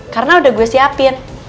karena udah gue siapin